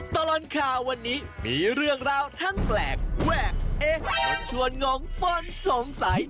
ตลอดข่าววันนี้มีเรื่องราวทั้งแปลกแวกเอ๊ะจะชวนงงป้นสงสัย